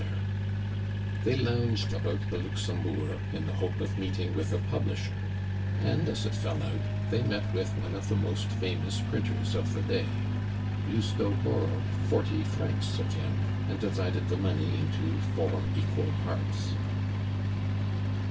They lounged about the Luxembourg in the hope of meeting with a publisher; and, as it fell out, they met with one of the most famous printers of the day. Lousteau borrowed forty francs of him, and divided the money into four equal parts.